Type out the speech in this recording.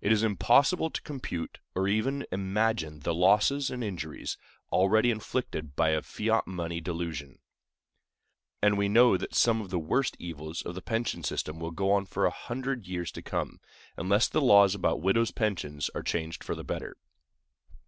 It is impossible to compute or even imagine the losses and injuries already inflicted by the fiat money delusion; and we know that some of the worst evils of the pension system will go on for a hundred years to come, unless the laws about widows' pensions are changed for the better.